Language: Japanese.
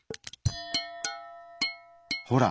ほら！